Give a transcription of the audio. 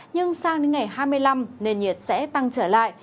nhưng sang đến ngày hai mươi năm nền nhiệt sẽ tăng trở lại